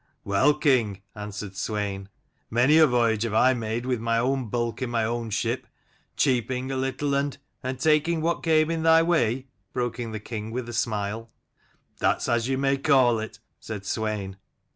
"Well, king," answered Swein, "many a voyage have I made with my own bulk in my own ship, cheaping a little and " "And taking what came in thy way?" broke in the king with a smile. "That's as you may call it," said Swein.